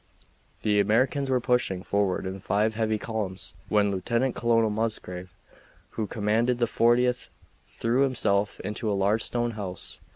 The Americans were pushing forward in five heavy columns, when Lieutenant Colonel Musgrave, who commanded the Fortieth, threw himself into a large stone house.